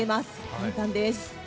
簡単です。